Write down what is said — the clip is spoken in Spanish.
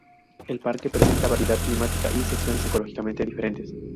El parque presenta variedad climática y secciones ecológicamente diferentes.